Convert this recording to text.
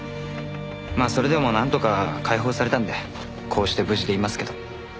まあそれでもなんとか解放されたんでこうして無事でいますけど。